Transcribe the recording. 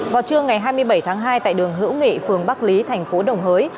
vào trưa ngày hai mươi bảy tháng hai tại đường hữu nghị phường bắc lý thành phố đồng hới